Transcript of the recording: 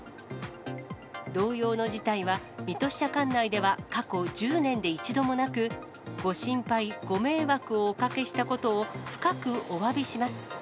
同様の事態は、水戸支社管内では過去１０年で一度もなく、ご心配、ご迷惑をおかけしたことを深くおわびします。